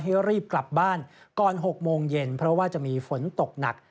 ให้รีบกลับบ้านก่อน๖โมงเย็นเพราะว่าจะมีฝนตกหนัก